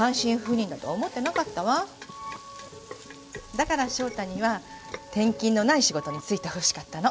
だから翔太には転勤のない仕事に就いてほしかったの。